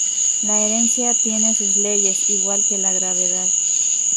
La herencia tiene sus leyes, igual que la gravedad".